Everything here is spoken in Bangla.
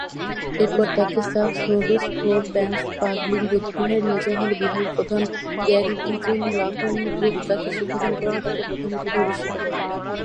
এরপর তাকে ছাব-ম্দো-ছোস-'খোর-ব্যাম্স-পা-গ্লিং বৌদ্ধবিহারে নিয়ে যাওয়া হলে বিহারের প্রধান ঙ্গাগ-দ্বাং-ব্স্তান-'দ্জিন-ল্হুন-গ্রুব তাকে শিক্ষাদান করেন ও তাকে প্রধানের পদে অধিষ্ঠিত করেন।